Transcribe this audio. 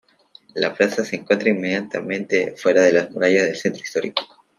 La plaza se encuentra inmediatamente fuera de las murallas del centro histórico.